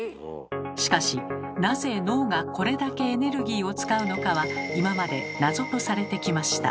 しかしなぜ脳がこれだけエネルギーを使うのかは今まで謎とされてきました。